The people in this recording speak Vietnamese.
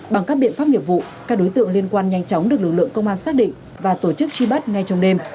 bằng các biện pháp nghiệp vụ các đối tượng liên quan nhanh chóng được lực lượng công an xác định và tổ chức truy bắt ngay trong đêm